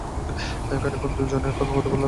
খানিকক্ষণ দুই জনেই কোনো কথা বলল না।